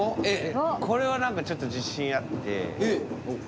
これは何かちょっと自信あって。